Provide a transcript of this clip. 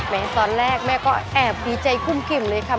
ตอนแรกแม่ก็แอบดีใจกุ้มกิ่มเลยค่ะ